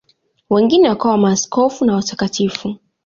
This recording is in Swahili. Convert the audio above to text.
Wengine wakawa maaskofu na watakatifu.